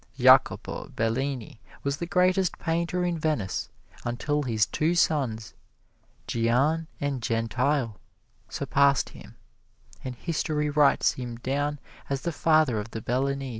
Jacopo Bellini was the greatest painter in Venice until his two sons, Gian and Gentile, surpassed him, and history writes him down as the father of the Bellinis.